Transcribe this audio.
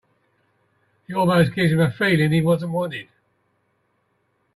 It almost gives him a feeling he wasn't wanted.